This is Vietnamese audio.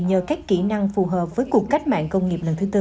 nhờ các kỹ năng phù hợp với cuộc cách mạng công nghiệp lần thứ tư